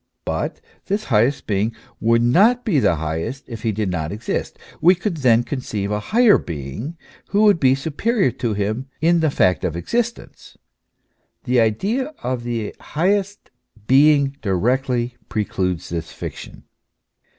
But this highest being would not be the highest if he did not exist; we could then conceive a higher being who would be superior to him in the fact of existence ; the idea of the highest being directly precludes this fiction.